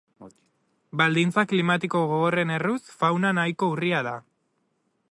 Baldintza klimatiko gogorren erruz fauna nahiko urria da.